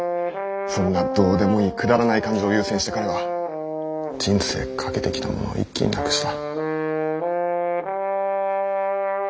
そんなどうでもいいくだらない感情を優先して彼は人生賭けてきたものを一気になくした。